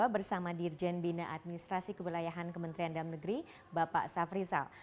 bersama dirjen bina administrasi kebelayaan kementerian dalam negeri bapak saf rizal